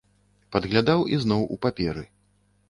Падглядаў ізноў у паперы.